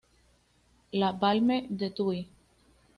La Balme-de-Thuy